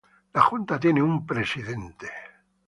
La Junta tiene un Presidente.